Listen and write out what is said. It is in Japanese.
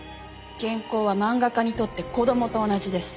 原稿は漫画家にとって子供と同じです。